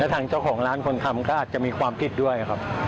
ทางเจ้าของร้านคนทำก็อาจจะมีความผิดด้วยครับ